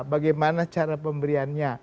bagaimana cara pemberiannya